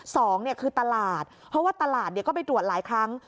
สองเนี่ยคือตลาดเพราะว่าตลาดก็ไปตรวจหลายครั้ง